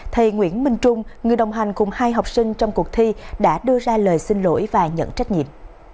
thầy nguyễn minh trung người đồng hành cùng hai học sinh trong cuộc thi đã đưa ra lời xin lỗi và nhận trách nhiệm